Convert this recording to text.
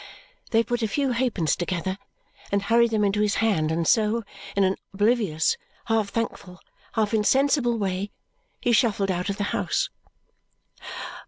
They put a few halfpence together and hurried them into his hand, and so, in an oblivious, half thankful, half insensible way, he shuffled out of the house.